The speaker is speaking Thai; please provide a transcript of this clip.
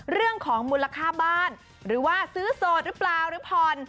เรื่องของมูลค่าบ้านหรือว่าซื้อโสดหรือเปล่าหรือผ่อน